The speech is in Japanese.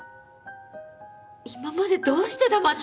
今までどうして黙って。